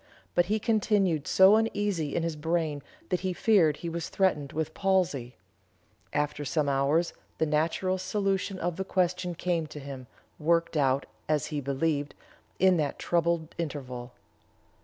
But he continued so uneasy in his brain that he feared he was threatened with palsy. After some hours the natural solution of the question came to him, worked out, as he believed, in that troubled interval."